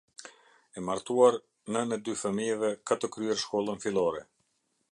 E martuar nënë e dy fëmijëve, ka të kryer shkollën fillore.